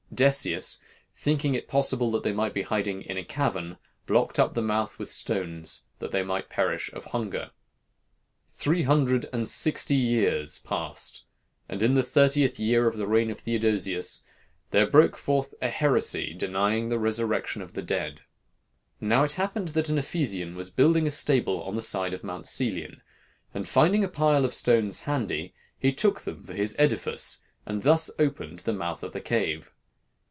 "Decius, thinking it possible that they might be hiding in a cavern, blocked up the mouth with stones, that they might perish of hunger. "Three hundred and sixty years passed, and in the thirtieth year of the reign of Theodosius, there broke forth a heresy denying the resurrection of the dead.... "Now, it happened that an Ephesian was building a stable on the side of Mount Celion, and finding a pile of stones handy, he took them for his edifice, and thus opened the mouth of the cave.